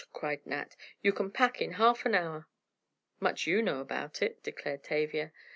cried Nat. "You can pack in half an hour." "Much you know about it," declared Tavia.